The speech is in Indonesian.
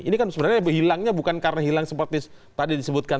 ini kan sebenarnya hilangnya bukan karena hilang seperti tadi disebutkan